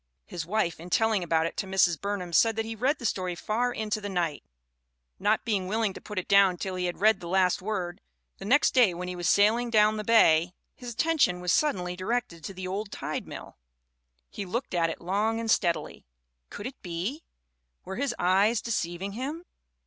His wife in telling about it to Mrs. Burnham said that he read the story far into the night, not being willing to put it down till he had read the last word. The next day when he was sailing down the CLARA LOUISE BURNHAM 275 bay, his attention was suddenly directed to the old Tide Mill. He looked at it long and steadily. Could it be? Were his eyes deceiving him?